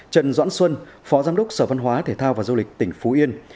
trần doãn xuân phó giám đốc sở văn hóa thể thao và du lịch tỉnh phú yên